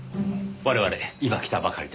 我々今来たばかりです。